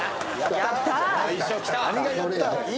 やったー！